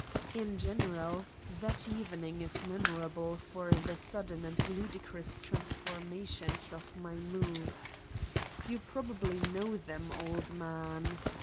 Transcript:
In general, that evening is memorable for the sudden and ludicrous transformations of my moods. You probably know them, old man?